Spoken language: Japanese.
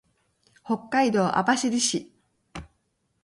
北海道網走市